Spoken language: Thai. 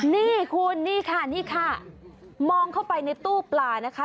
นี่คุณนี่ค่ะนี่ค่ะมองเข้าไปในตู้ปลานะคะ